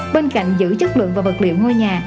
bên cạnh giữ chất lượng và vật liệu ngôi nhà